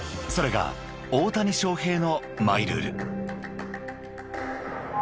［それが大谷翔平のマイルール］